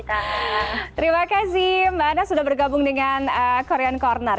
terima kasih mbak nana sudah bergabung dengan korean corner